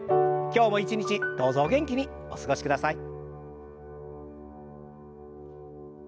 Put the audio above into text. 今日も一日どうぞお元気にお過ごしください。